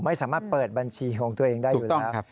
ไม่สามารถเปิดบัญชีของตัวเองได้อยู่แล้ว